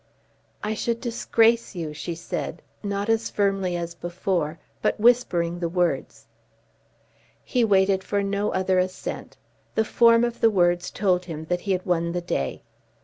"I should disgrace you," she said, not firmly as before, but whispering the words. He waited for no other assent. The form of the words told him that he had won the day.